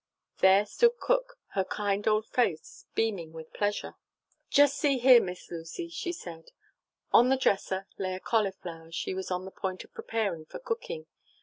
"There stood cook, her kind old face beaming with pleasure. "'Just see here, Miss Lucy,' she said. On the dresser lay a cauliflower she was on the point of preparing for cooking.